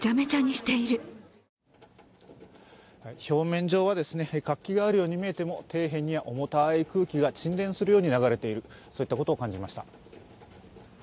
表面上は活気があるように見えても、底辺には重たい空気が沈殿するように流れているそういったことを感じました。